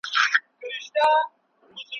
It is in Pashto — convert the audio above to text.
د هانمین لخوا نوی ماشین جوړ کړل سو.